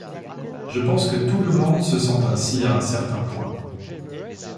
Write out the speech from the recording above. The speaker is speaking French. Je pense que tout le monde se sent ainsi à un certain point.